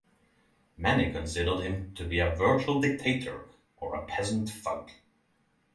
Many considered him to be a virtual dictator or a peasant thug.